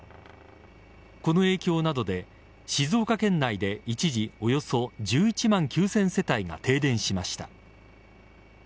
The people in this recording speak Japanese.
この影響などで静岡県内で一時およそ１１万９０００世帯が停電しました。